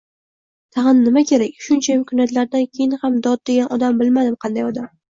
Tag‘in nima kerak? Shuncha imkoniyatlardan keyin ham dod degan odam, bilmadim, qanday odam